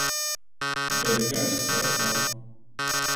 Bet gaļas vairs nav.